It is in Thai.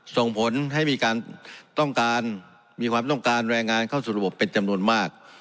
ส่งผลให้มีการต้องการมีความต้องการแรงงานเข้าสู่ระบบเป็นจำนวนมาก